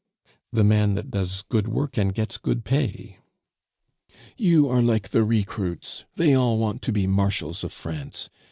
"The man that does good work and gets good pay." "You are like the recruits. They all want to be marshals of France.